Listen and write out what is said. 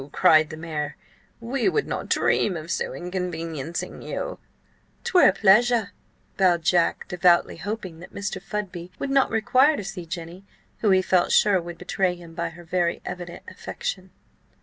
cried the mayor. "We would not dream of so inconveniencing you—" "'Twere a pleasure," bowed Jack, devoutly hoping that Mr. Fudby would not require to see Jenny, who, he felt sure, would betray him by her very evident affection.